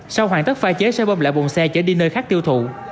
sau hoàn tất pha chế xe bông lại bụng xe chở đi nơi khác tiêu thụ